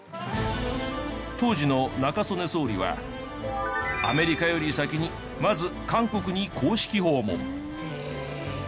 当時の中曽根総理はアメリカより先にまず韓国に公式訪問。